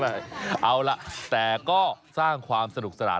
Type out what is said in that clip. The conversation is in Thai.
เอาล่ะแต่ก็สร้างความสนุกสนาน